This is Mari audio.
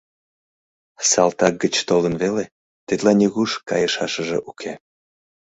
— Салтак гыч толын веле, тетла нигуш кайышашыже уке.